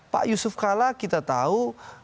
pak yusuf kalla kita tahu